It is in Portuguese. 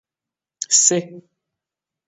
C